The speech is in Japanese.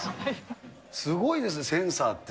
すごいですね、センサって。